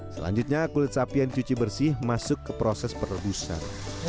selanjutnya kulit sapi yang dicuci bersih masuk ke proses perebusan